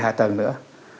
hẻ tầng nữa